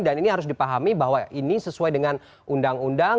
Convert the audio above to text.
dan ini harus dipahami bahwa ini sesuai dengan undang undang